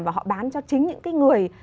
và họ bán cho chính những người